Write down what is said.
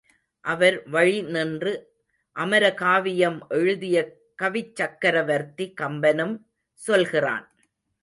அவர் வழி நின்று அமரகாவியம் எழுதிய கவிச் சக்கரவர்த்தி கம்பனும் சொல்கிறான்.